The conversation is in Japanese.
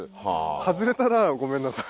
外れたらごめんなさい。